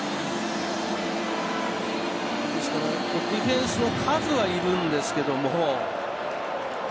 ディフェンスの数はいるんですけども。